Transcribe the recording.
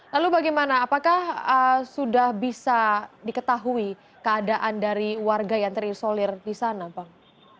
lalu bagaimana apakah sudah bisa diketahui keadaan dari warga yang terisolir di sana bang